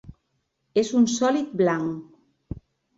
És un sòlid blanc.